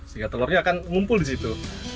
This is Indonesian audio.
sehingga telurnya akan ngumpul di situ